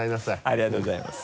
ありがとうございます。